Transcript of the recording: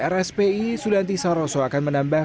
rspi sudiantisa rosso akan menambah